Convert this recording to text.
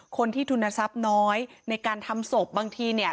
ทุนทรัพย์น้อยในการทำศพบางทีเนี่ย